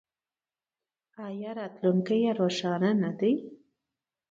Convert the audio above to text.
آیا او راتلونکی یې روښانه نه دی؟